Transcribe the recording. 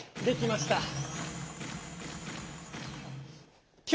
できました。